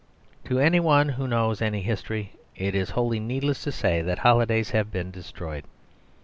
To anyone who knows any history it is wholly needless to say that holidays have been destroyed.